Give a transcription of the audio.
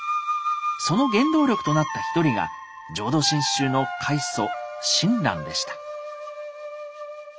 その原動力となった一人が浄土真宗の開祖・親鸞でした。